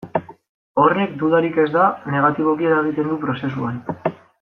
Horrek, dudarik ez da, negatiboki eragiten du prozesuan.